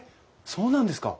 そうなんですか？